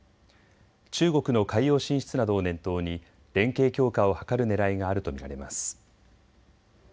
中国の海洋進出などを念頭に連携強化を図るねらいがあると見られます。